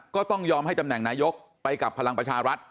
ก็ต้องยอมให้ตำแหน่งนายกไปกับพลังประชารัฐ